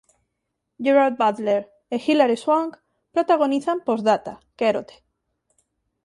Gerard Butler e Hillary Swank protagonizan Posdata, quérote.